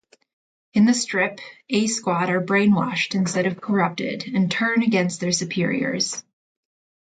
In the strip, A-Squad are brainwashed instead of corrupted and turn against their superiors.